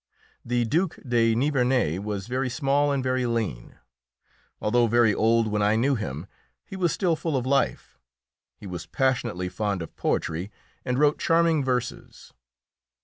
The Duke de Nivernais was very small and very lean. Although very old when I knew him, he was still full of life; he was passionately fond of poetry, and wrote charming verses.